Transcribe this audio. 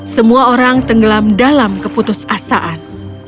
semua orang tenggelam dalam keputus asaan